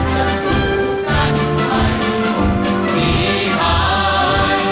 จะสู้กันให้มีภาย